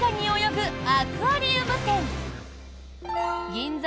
銀座